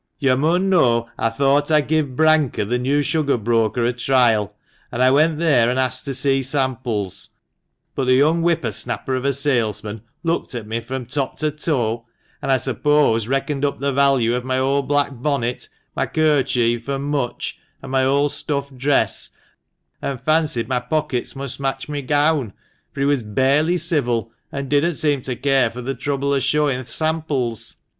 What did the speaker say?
"You mun know I thought I'd give Branker, the new sugar broker, a trial, an' I went there an' asked to see samples ; but the young whipper snapper of a salesman looked at me from top to toe, an', I suppose, reckoned up the value of my old black bonnet, my kerchief an' mutch, an' my old stuff dress, and fancied my pockets must match my gown, for he was barely civil, and didn't seem to care for the trouble o' shovvin' th' samples.